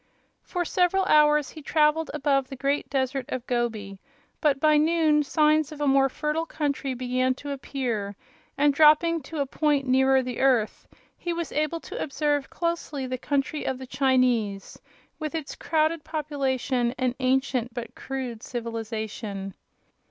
For several hours he traveled above the great desert of Gobi, but by noon signs of a more fertile country began to appear, and, dropping to a point nearer the earth, he was able to observe closely the country of the Chinese, with its crowded population and ancient but crude civilization.